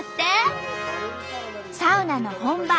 サウナの本場